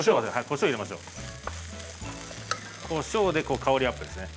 こしょうで香りアップですね。